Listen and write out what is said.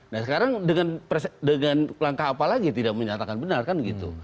nah sekarang dengan langkah apa lagi tidak menyatakan benar kan gitu